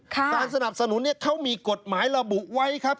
การสนับสนุนเขามีกฎหมายระบุไว้ครับ